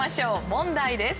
問題です。